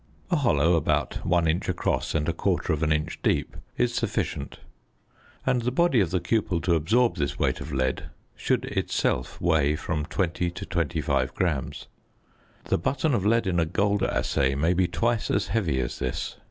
A hollow about 1 inch across and 1/4 inch deep is sufficient; and the body of the cupel to absorb this weight of lead should itself weigh from 20 to 25 grams. The button of lead in a gold assay may be twice as heavy as this.